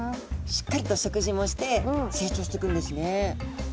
しっかりと食事もして成長していくんですね。